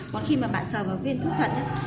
còn khi mà bạn sờ vào viên thuốc thận á